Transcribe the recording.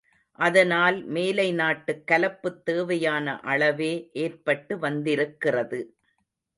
அதனால் மேலை நாட்டுக் கலப்புத் தேவையான அளவே ஏற்பட்டு வந்திருக்கிறது.